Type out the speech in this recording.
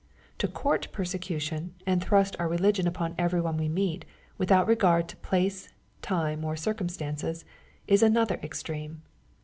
— To court persecution, and thrust our religion upon every one we meet, without regard to place, time, or circumstances, is another extreme.